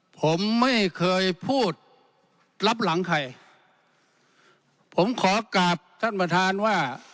ผมไม่เคยพูดรับหลังใครผมขอกราบท่านประธานว่า